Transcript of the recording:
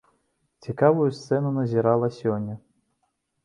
Цікавую сцэну назірала сёння.